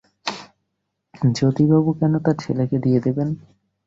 জ্যোতিবাবু কেন তাঁর ছেলেকে দিয়ে দেবেন?